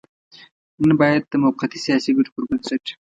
نن نه بايد د موقتي سياسي ګټو پر بنسټ.